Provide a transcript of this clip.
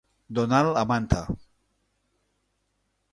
Donar la manta.